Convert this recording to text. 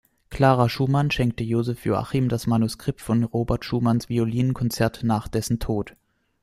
Clara Schumann schenkte Joseph Joachim das Manuskript von Robert Schumanns Violinkonzert nach dessen Tod.